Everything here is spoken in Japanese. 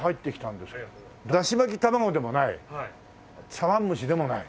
茶碗蒸しでもない。